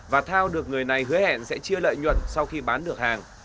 và thao được người này hứa hẹn sẽ chia lợi nhuận sau khi bán được hàng